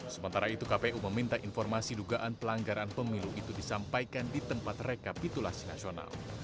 sementara itu kpu meminta informasi dugaan pelanggaran pemilu itu disampaikan di tempat rekapitulasi nasional